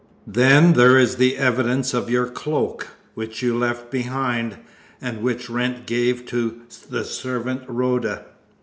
Then there is the evidence of your cloak, which you left behind, and which Wrent gave to the servant Rhoda.